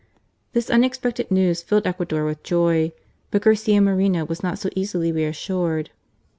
This unexpected news filled Ecuador with joy • but Garcia Moreno was not so easily reassured.